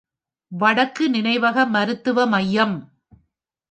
வடக்கு நினைவக மருத்துவ மையம்.